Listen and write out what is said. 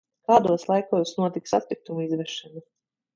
Kādos laikos notiks atkritumu izvešana?